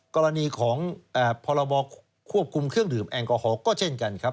กรณีของพรบควบคุมเครื่องดื่มแอลกอฮอล์ก็เช่นกันครับ